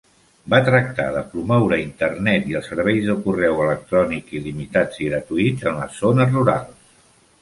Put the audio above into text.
Va tractar de promoure Internet i els serveis de correu electrònic il·limitats i gratuïts en les zones rurals.